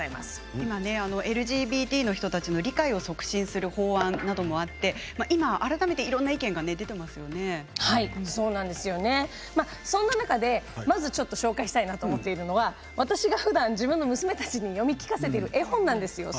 今、ＬＧＢＴの人たちの理解を促進する法案などもあってそんな中でまず紹介したいと思っているのが私がふだん自分の娘たちに読み聞かせている絵本なんです。